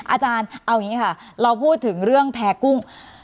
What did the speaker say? อาจารย์เอาอย่างนี้ค่ะเราพูดถึงเรื่องแพ้กุ้ง